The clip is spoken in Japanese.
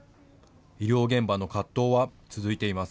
医療現場の葛藤は続いています。